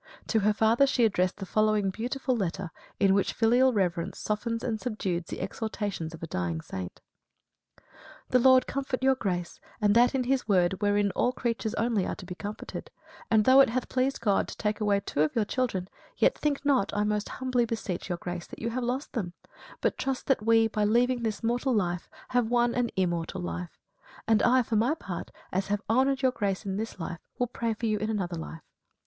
To her father she addressed the following beautiful letter, in which filial reverence softens and subdues the exhortations of a dying saint: The Lord comfort Your Grace, and that in His Word, wherein all creatures only are to be comforted; and though it hath pleased God to take away two of your children, yet think not, I most humbly beseech Your Grace, that you have lost them; but trust that we, by leaving this mortal life, have won an immortal life. And I, for my part, as I have honoured Your Grace in this life, will pray for you in another life.